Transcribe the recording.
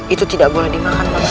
itu tidak boleh dimakan oleh allah